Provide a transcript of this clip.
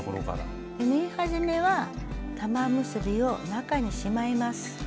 縫い始めは玉結びを中にしまいます。